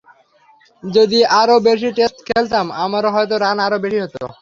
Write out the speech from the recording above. যদি আরও বেশি টেস্ট খেলতাম, আমার হয়তো রান আরও বেশি হতো।